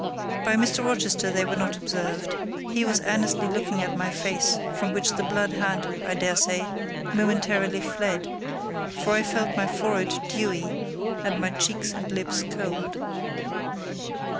By Mr. Rochester they were not observed; he was earnestly looking at my face, from which the blood had, I daresay, momentarily fled: for I felt my forehead dewy, and my cheeks and lips cold.